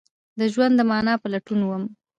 د ژوند د معنی په لټون وم